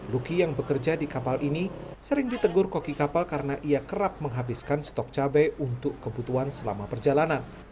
luki yang bekerja di kapal ini sering ditegur koki kapal karena ia kerap menghabiskan stok cabai untuk kebutuhan selama perjalanan